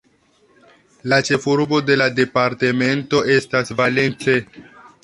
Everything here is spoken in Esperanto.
La ĉefurbo de la departemento estas Valence.